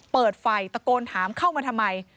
เปิดไฟตะโกนถามเข้ามาทำไม